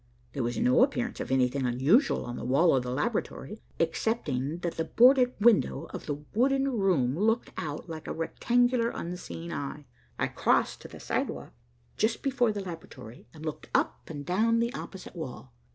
There was no appearance of anything unusual on the wall of the laboratory, excepting that the boarded window of the wooden room looked out like a rectangular unseeing eye. I crossed to the sidewalk just before the laboratory, and looked up and down the opposite wall.